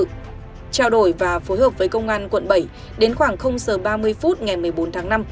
trao đổi và phối hợp với công an quận bảy đến khoảng h ba mươi phút ngày một mươi bốn tháng năm